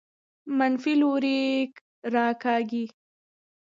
منفي لوري راکاږي.